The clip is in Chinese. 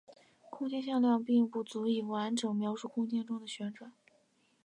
空间向量并不足以完整描述空间中的旋转。